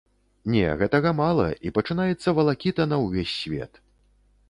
Не, гэтага мала, і пачынаецца валакіта на ўвесь свет.